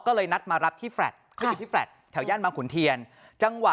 ก็เลยนัดมารับที่แลตเขาอยู่ที่แลตแถวย่านบางขุนเทียนจังหวะ